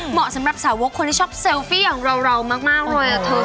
เหมาะสำหรับสาวกคนที่ชอบเซลฟี่อย่างเรามากเลยเธอ